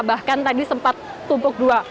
bahkan tadi sempat tumpuk dua